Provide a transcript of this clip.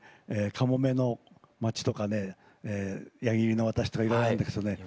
「かもめの街」とかね「矢切の渡し」とかいろいろあるんですけどね。